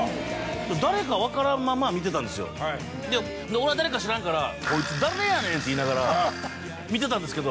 俺は誰か知らんから。って言いながら見てたんですけど。